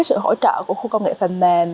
sự hỗ trợ của khu công nghệ phần mềm